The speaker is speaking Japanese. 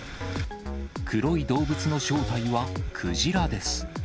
黒い動物の正体は、クジラです。